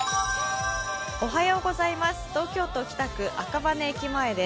東京都北区赤羽駅前です。